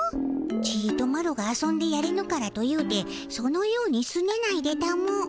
ちとマロが遊んでやれぬからというてそのようにすねないでたも。